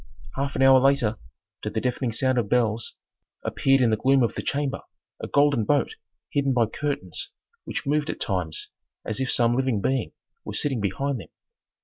Half an hour later, to the deafening sound of bells, appeared in the gloom of the chamber a golden boat hidden by curtains which moved at times as if some living being were sitting behind them.